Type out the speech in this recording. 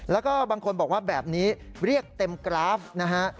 แล้วก็บางคนบอกว่าแบบนี้เรียกเต็มกราฟนะฮะ